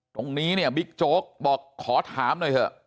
ตรงนี้เนี่ยบิ๊กโจ๊กบอกขอถามหน่อยเถอะ